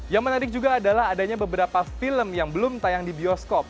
yang menarik juga adalah adanya beberapa film yang belum tayang di bioskop